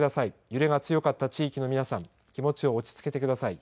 揺れが強かった地域の皆さん、気持ちを落ち着けてください。